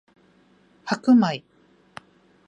白米